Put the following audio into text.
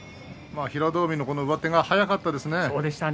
平戸海の上手が速かったですね。